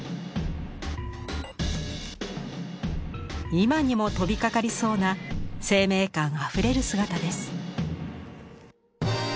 今にも飛びかかりそうな生命感あふれる姿です。